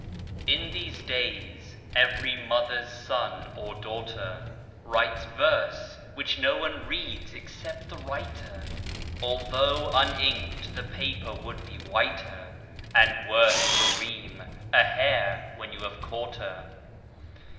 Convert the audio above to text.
.. IN these days, every mother's son or daughter Writes verse, which no one reads except the writer, Although, uninked, the paper would be whiter, And worth, per ream, a hare, when you have caught her.